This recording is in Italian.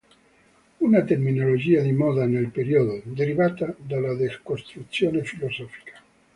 Una terminologia di moda nel periodo, derivata dalla decostruzione filosofica.